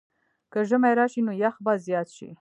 که ژمی راشي، نو یخ به زیات شي.